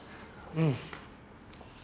うん。